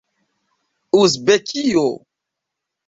uzbekio